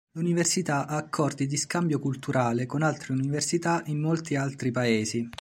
L'università ha accordi di scambio culturale con altre università in molti altri paesi.